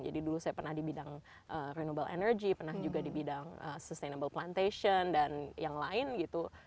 jadi dulu saya pernah di bidang renewable energy pernah juga di bidang sustainable plantation dan yang lain gitu